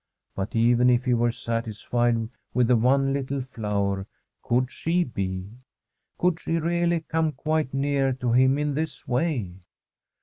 But even if he were satisfied with the one little flower, could she be ? Could she really come quite near to him in this way?